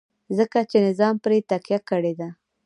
ځکه چې نظام پرې تکیه کړې ده.